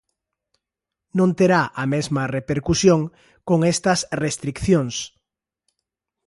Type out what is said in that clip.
Non terá a mesma repercusión con estas restricións.